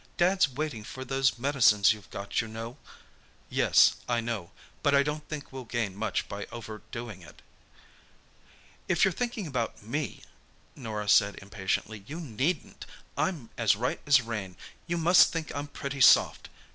"Dad's waiting for those medicines you've got, you know." "Yes, I know. But I don't think we'll gain much by overdoing it." "If you're thinking about me," Norah said impatiently, "you needn't. I'm as right as rain. You must think I'm pretty soft!